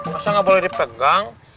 masa gak boleh dipegang